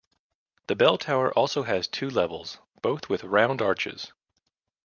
The bell tower also has two levels, both with round arches.